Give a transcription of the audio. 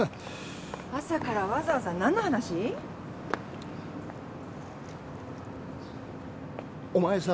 朝からわざわざ何の話？お前さ。